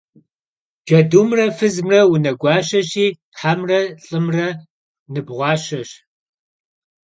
Cedumre fızımre vuneguaşeşi, hemre lh'ımre nıbğuaşeş.